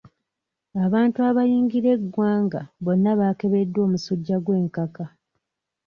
Abantu abayingira eggwanga bonna baakebeddwa omusujja gw'enkaka.